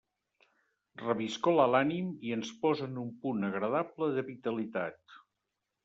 Reviscola l'ànim i ens posa en un punt agradable de vitalitat.